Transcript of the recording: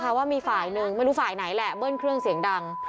เพราะว่ามีฝ่ายหนึ่งไม่รู้ฝ่ายไหนแหละเบิ้ลเครื่องเสียงดัง